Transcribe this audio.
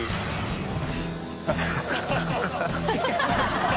ハハハ